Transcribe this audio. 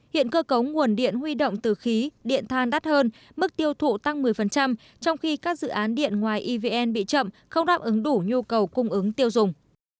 hiện cơ cấu nguồn điện huy động từ khí điện than đắt hơn mức tiêu thụ tăng một mươi trong khi các dự án điện ngoài evn bị chậm không đáp ứng đủ nhu cầu cung ứng tiêu dùng